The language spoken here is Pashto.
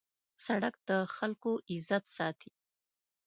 سړک د خلکو عزت ساتي.